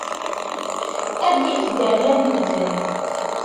Ad yif dderya n medden.